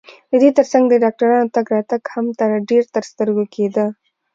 د دې ترڅنګ د ډاکټرانو تګ راتګ هم ډېر ترسترګو کېده.